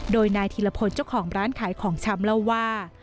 โดยนายธีรพลเจ้าของร้านขายของชำเล่าว่า